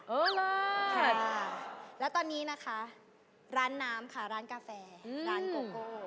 เออมากแล้วตอนนี้นะคะร้านน้ำค่ะร้านกาแฟร้านโกโก้